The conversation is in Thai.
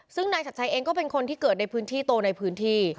ซึ่งนายชัดชัยเองก็เป็นคนที่เกิดในพื้นที่โตในพื้นที่